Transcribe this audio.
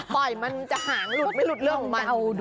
มันจะหางหลุดไม่หลุดเรื่องของมัน